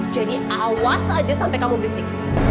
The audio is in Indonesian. jadi awas aja sampai kamu berisik